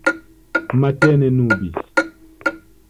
Matene nubis.